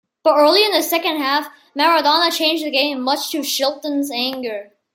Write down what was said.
But early in the second half, Maradona changed the game, much to Shilton's anger.